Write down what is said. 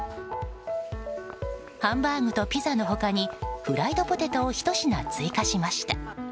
ハンバーグとピザの他にフライドポテトをひと品追加しました。